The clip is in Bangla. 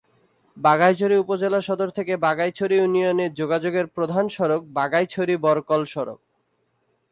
বাঘাইছড়ি উপজেলা সদর থেকে বাঘাইছড়ি ইউনিয়নে যোগাযোগের প্রধান সড়ক বাঘাইছড়ি-বরকল সড়ক।